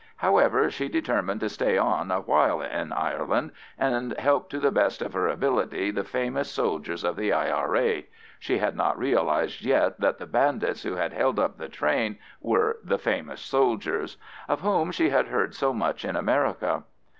However, she determined to stay on awhile in Ireland, and help to the best of her ability the famous soldiers of the I.R.A. (she had not realised yet that the bandits who had held up the train were the famous soldiers) of whom she had heard so much in America.